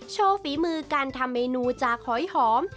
ฝีมือการทำเมนูจากหอยหอม